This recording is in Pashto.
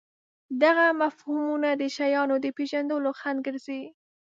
دغه مفهومونه د شیانو د پېژندلو خنډ ګرځي.